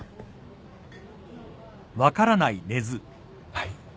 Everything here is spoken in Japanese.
はい？